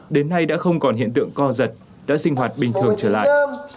đến nay đã không còn hiện tượng co giật đã sinh hoạt bình thường trở lại